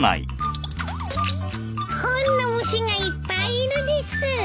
本の虫がいっぱいいるです。